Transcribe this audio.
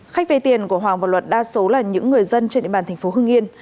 khách vay tiền của hoàng và luật đa số là những người dân trên địa bàn tp hưng yên